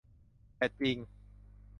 แต่จริง